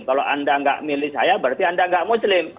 kalau anda tidak memilih saya berarti anda tidak muslim